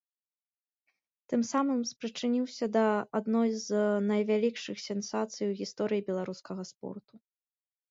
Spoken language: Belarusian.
Тым самым спрычыніўся да адной з найвялікшых сенсацый у гісторыі беларускага спорту.